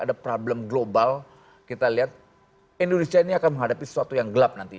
dan global kita lihat indonesia ini akan menghadapi sesuatu yang gelap nanti